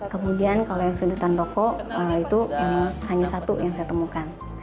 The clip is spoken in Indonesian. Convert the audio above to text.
kemudian kalau yang sudutan rokok itu hanya satu yang saya temukan